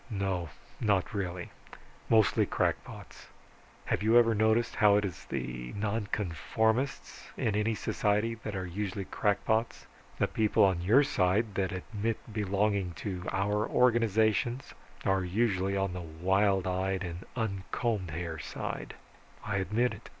"No, not really. Mostly crackpots. Have you ever noticed how it is that the nonconformists in any society are usually crackpots? The people on your side that admit belonging to our organizations, are usually on the wild eyed and uncombed hair side I admit it.